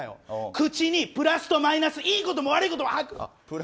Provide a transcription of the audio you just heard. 口にプラスとマイナスいいことも悪いこともある。